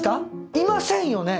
いませんよね？